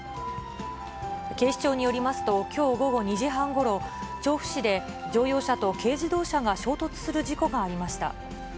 警視庁によりますと、きょう午後２時半ごろ、調布市で乗用車と軽自動車が衝突する事故がありました。